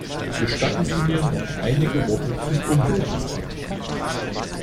Gestatten Sie mir noch einige Worte zum Umweltaspekt.